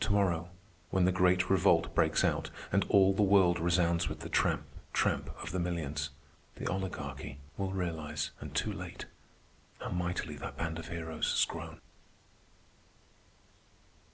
To morrow, when the Great Revolt breaks out and all the world resounds with the tramp, tramp of the millions, the Oligarchy will realize, and too late, how mightily that band of heroes has grown.